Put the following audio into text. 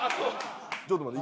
ちょっと待って。